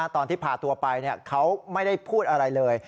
ตอนที่พาตัวไปเขาไม่ได้พูดอะไรเลย